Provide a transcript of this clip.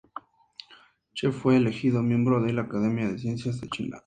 Cheng fue elegido miembro de la Academia de Ciencias de China.